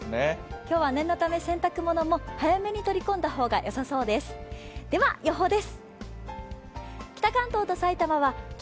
今日は念のため洗濯物も早めに取り込んだ方がよさそうです。